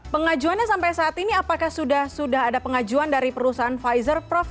pengajuannya sampai saat ini apakah sudah ada pengajuan dari perusahaan pfizer prof